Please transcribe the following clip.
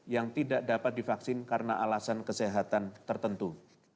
yang tidak dapat divaksin karena alasan kesehatan tertentu